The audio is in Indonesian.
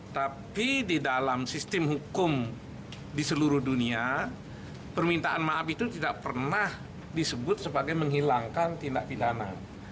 tapi di dalam sistem hukum di seluruh dunia permintaan maaf itu tidak pernah disebut sebagai menghilangkan tindak pidana